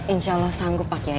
insya allah sanggup pak kiai